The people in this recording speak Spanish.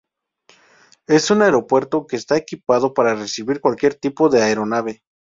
Es un aeropuerto que está equipado para recibir cualquier tipo de aeronave.